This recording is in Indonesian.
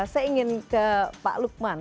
saya ingin ke pak lukman